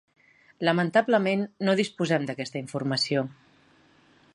Lamentablement no disposem d'aquesta informació.